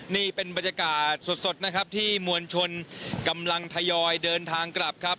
นี่เป็นบรรยากาศสดนะครับที่มวลชนกำลังทยอยเดินทางกลับครับ